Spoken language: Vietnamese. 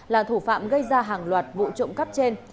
là thủ phạm gây ra hàng loạt vụ trộm cắp trên